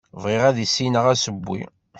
Bɣiɣ ad issineɣ asewwi.